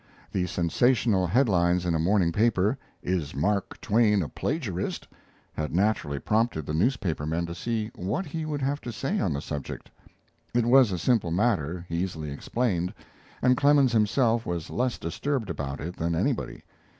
The sensational head lines in a morning paper, "Is Mark Twain a Plagiarist?" had naturally prompted the newspaper men to see what he would have to say on the subject. It was a simple matter, easily explained, and Clemens himself was less disturbed about it than anybody.